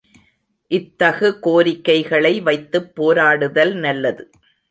இத்தகு கோரிக்கைகளை வைத்துப் போராடுதல் நல்லது.